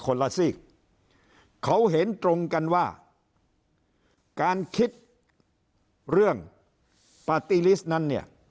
ละซีกเขาเห็นตรงกันว่าการคิดเรื่องปาร์ตี้ลิสต์นั้นเนี่ย